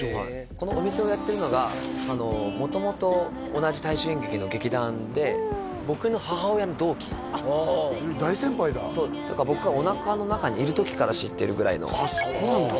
このお店をやってるのが元々同じ大衆演劇の劇団で僕の母親の同期大先輩だ僕がおなかの中にいる時から知ってるぐらいのああそうなんだ